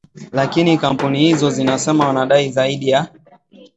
lakini kampuni hizo zinasema wanadai zaidi ya